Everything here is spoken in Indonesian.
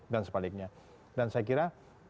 dan sebaliknya dan saya kira